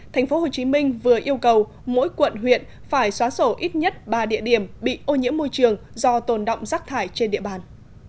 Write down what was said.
thành phố hồ chí minh vừa yêu cầu mỗi quận huyện phải xóa sổ ít nhất ba địa điểm bị ô nhiễm môi trường do tồn động rác thải trên địa bàn